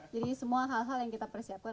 jadi semua hal hal yang kita persiapkan